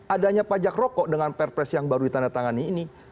adanya pajak rokok dengan perpres yang baru ditandatangani ini